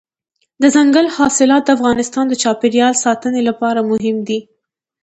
دځنګل حاصلات د افغانستان د چاپیریال ساتنې لپاره مهم دي.